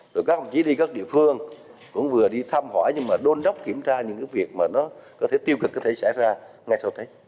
rồi các ông chí đi các địa phương cũng vừa đi thăm hỏi nhưng mà đôn đốc kiểm tra những cái việc mà nó có thể tiêu cực có thể xảy ra ngay sau tết